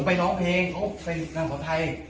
ผมไปร้องเพลงเขาไปการขอไทย